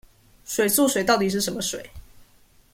水素水到底是什麼水